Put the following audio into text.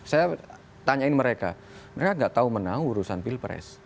saya tanyain mereka mereka nggak tahu menang urusan pilpres